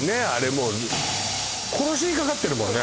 もう殺しにかかってるもんね